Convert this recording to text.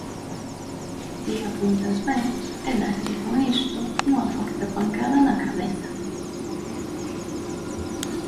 Ti apuntas ben e dáslle con isto unha forte pancada na cabeza.